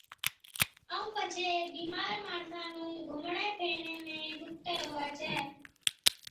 ائُون پڇي بِيمار ماڻسا نُون گھُمڻي ڦِرڻي ۾ ڏُکتَي هُوَي ڇَي۔